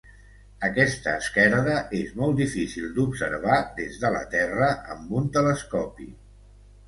Aquesta esquerda és molt difícil d'observar des de la Terra amb un telescopi.